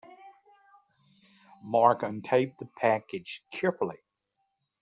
Mark untaped the package carefully.